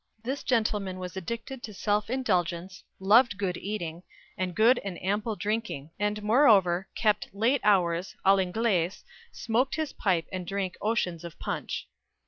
This gentleman was addicted to self indulgence, loved good eating, and good and ample drinking, and moreover kept "late hours, Ã l'Anglaise, smoked his pipe, and drank oceans of punch."